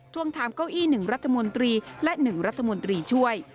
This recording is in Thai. วงถามเก้าอี้๑รัฐมนตรีและ๑รัฐมนตรีช่วย